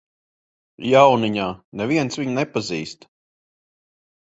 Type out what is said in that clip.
Jauniņā, neviens viņu nepazīst.